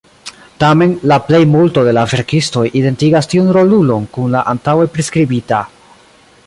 Tamen, la plejmulto de la verkistoj identigas tiun rolulon kun la antaŭe priskribita.